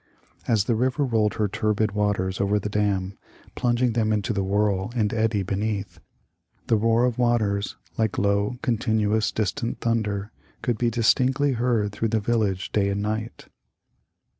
As the river rolled her turbid waters over the dam, plunging them into" the whirl and eddy beneath, the roar of waters, like low, continuous, distant thunder, could be distinctly heard through the village day and night.